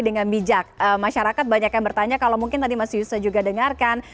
dengan bijak masyarakat banyak yang bertanya kalau mungkin tadi mas yusa juga dengarkan